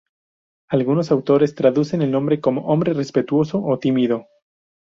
Algunos autores traducen el nombre como 'hombre respetuoso' o 'tímido'.